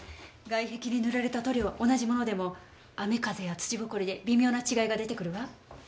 外壁に塗られた塗料は同じものでも雨風や土ぼこりで微妙な違いが出てくるわ。